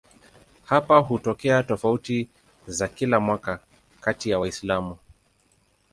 Hapa hutokea tofauti za kila mwaka kati ya Waislamu.